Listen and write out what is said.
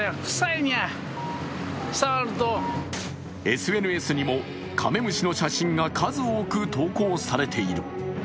ＳＮＳにもカメムシの写真が数多く投稿されている。